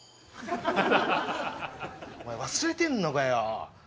お前忘れてんのかよ。